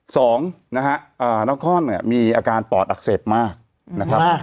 สองนะฮะนครเนี่ยมีอาการปอดอักเสบมากนะครับ